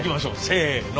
せの。